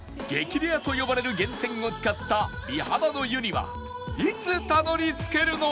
レアと呼ばれる源泉を使った美肌の湯にはいつたどり着けるのか？